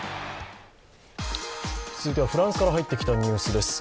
続いてはフランスから入ってきたニュースです。